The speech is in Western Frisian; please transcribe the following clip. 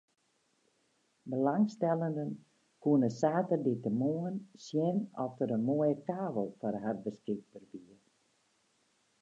Belangstellenden koene saterdeitemoarn sjen oft der in moaie kavel foar har beskikber wie.